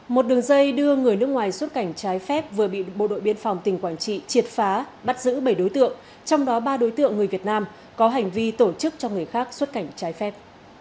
một đường dây đưa người nước ngoài xuất cảnh trái phép vừa bị bộ đội biên phòng tỉnh quảng trị triệt phá bắt giữ bảy đối tượng trong đó ba đối tượng người việt nam có hành vi tổ chức cho người khác xuất cảnh trái phép